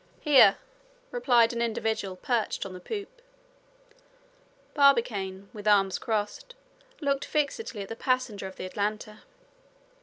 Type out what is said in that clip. "Here!" replied an individual perched on the poop. Barbicane, with arms crossed, looked fixedly at the passenger of the Atlanta.